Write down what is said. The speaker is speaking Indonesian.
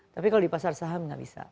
tapi kalau di pasar saham nggak bisa